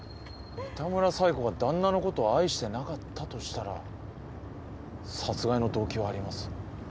三田村冴子がだんなのことを愛してなかったとしたら殺害の動機はあります。